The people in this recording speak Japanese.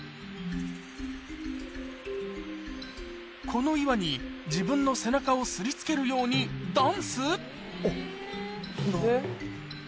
この岩に、自分の背中をすりつけるようにダンス？